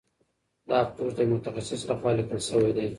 دا پوسټ د یو متخصص لخوا لیکل شوی دی.